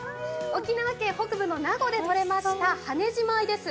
沖縄県北部の名護で取れました羽地米です。